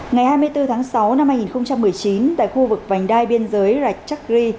ngày hai mươi bốn tháng sáu năm hai nghìn một mươi chín tại khu vực vành đai biên giới rạch chack ri